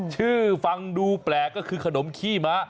ชื่อฟังดูแปลกก็คือขนมขี้ม้า